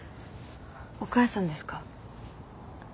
お母さんですか？